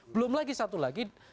belum lagi satu lagi